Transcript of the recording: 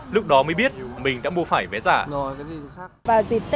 lúc đó mới biết mình đã mua phải vé giả